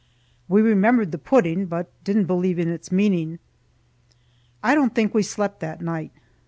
We remembered the pudding, but didn't believe in its meaning. I don't think we slept that night.